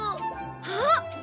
あっ！